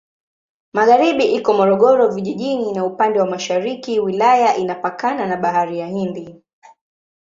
Magharibi iko Morogoro Vijijini na upande wa mashariki wilaya inapakana na Bahari ya Hindi.